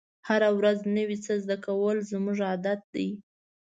هره ورځ نوی څه زده کول زموږ عادت دی.